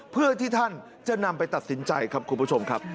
เพื่อที่ท่านจะนำไปตัดสินใจครับคุณผู้ชมครับ